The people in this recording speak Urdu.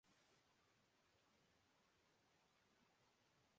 یِہ طرح دفاع پر خرچ ہونا والی رقم ملک کرنا